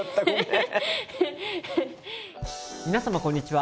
皆様こんにちは。